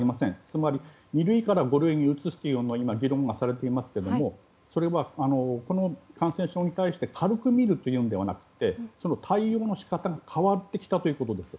つまり二類から五類に移すという議論がされていますがそれは、この感染症に対して軽く見るというのではなくて対応の仕方が変わってきたということです。